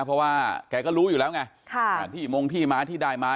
เพราะว่าแกก็รู้อยู่แล้วไงที่มงที่ม้าที่ได้มา